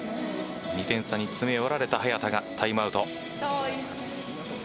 ２点差に詰め寄られた早田がタイムアウト。